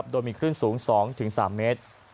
โดยมีขึ้นสูง๒๓เมตร